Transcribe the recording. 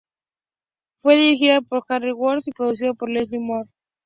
Fue dirigida por Harry Watt, y producido por Leslie Norman.